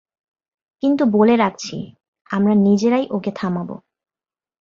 কিন্ত বলে রাখছি, আমরা নিজেরাই ওকে থামাব।